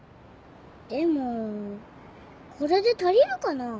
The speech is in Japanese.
これで足りるかな？